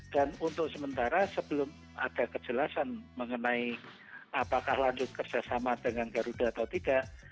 dan untuk sementara sebelum ada kejelasan mengenai apakah lanjut kerjasama dengan garuda atau tidak